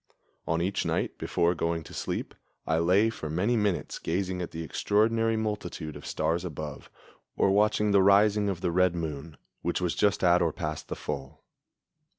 On each night before going to sleep, I lay for many minutes gazing at the extraordinary multitude of stars above, or watching the rising of the red moon, which was just at or past the full.